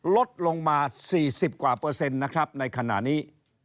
ลดลงมา๔๐กว่าเปอร์เซ็นต์นะครับในขณะนี้